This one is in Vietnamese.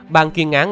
bàn kiên án